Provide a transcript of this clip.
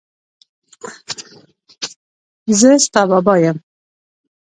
زه ستا بابا یم.